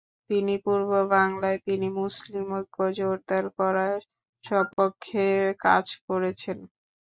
তিনি পূর্ব বাংলায় তিনি মুসলিম ঐক্য জোরদার করার সপক্ষে কাজ করেছেন।